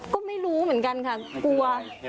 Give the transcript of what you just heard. ก็ไม่รู้เหมือนกันค่ะกลัว